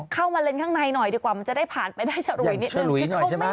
เข้ามาเล่นข้างในหน่อยดีกว่ามันจะได้ผ่านไปได้ชะลุยอย่างชะลุยหน่อยใช่ไหม